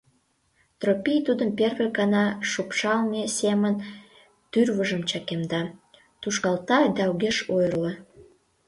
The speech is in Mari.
Тропий тудым первый гана шупшалме семын тӱрвыжым чакемда, тушкалта да огеш ойырло.